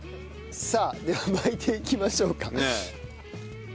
さあでは巻いていきましょうか。